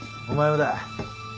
お前もだ。